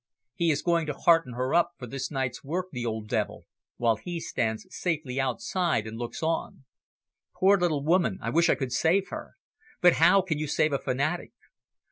"He is going to hearten her up for this night's work, the old devil, while he stands safely outside, and looks on. Poor little woman! I wish I could save her. But how can you save a fanatic?"